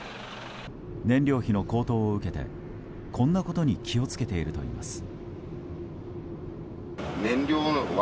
燃料費の高騰を受けてこんなことに気を付けているといいます。